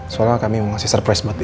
soalnya kami mau ngasih surprise buat dia